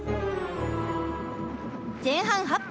前半８分